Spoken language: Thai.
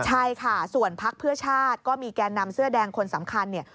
ใช่ค่ะส่วนพักเพื่อชาติก็มีแก่นำเสื้อแดงคนสำคัญเนี่ย